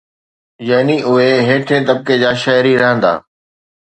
يعني اهي هيٺين طبقي جا شهري رهندا.